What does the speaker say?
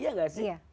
iya gak sih